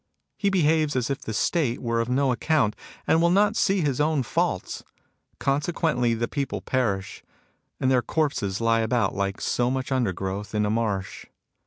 He behaves as if the State were of no account, and will not see his own faults. Consequently, the people perish ; and their corpses lie about like so much undergrowth in a marsh.